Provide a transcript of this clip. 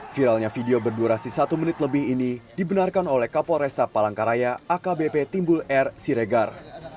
viralnya video berdurasi satu menit lebih ini dibenarkan oleh kapolresta palangkaraya akbp timbul r siregar